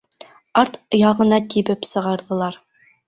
Арт яғыңа тибеп сығарҙылар.